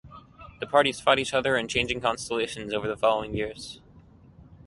The parties fought each other in changing constellations over the following years.